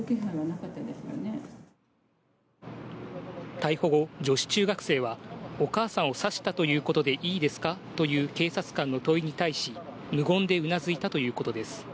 逮捕後、女子中学生はお母さんを刺したということでいいですか？という警察官の問に対し、無言でうなずいたということです。